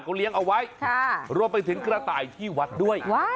เขาเลี้ยงเอาไว้รวมไปถึงกระต่ายที่วัดด้วย